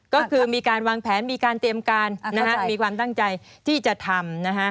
ก็คือมีการวางแผนมีการเตรียมการนะฮะมีความตั้งใจที่จะทำนะฮะ